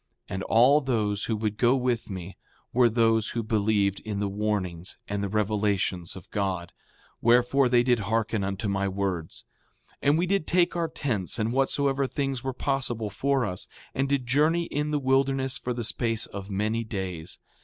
And all those who would go with me were those who believed in the warnings and the revelations of God; wherefore, they did hearken unto my words. 5:7 And we did take our tents and whatsoever things were possible for us, and did journey in the wilderness for the space of many days.